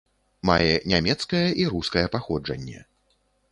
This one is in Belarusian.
Мае нямецкае і рускае паходжанне.